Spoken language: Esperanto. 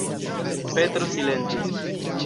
Petro silentis.